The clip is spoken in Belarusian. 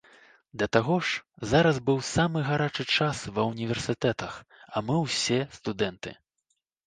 Да таго ж, зараз быў самы гарачы час ва ўніверсітэтах, а мы ўсе студэнты.